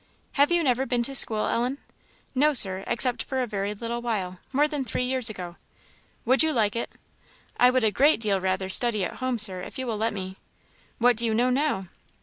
"Have you never been to school, Ellen?" "No, Sir; except for a very little while, more than three years ago." "Would you like it?" "I would a great deal rather study at home, Sir, if you will let me." "What do you know now?"